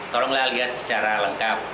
tolonglah lihat secara lengkap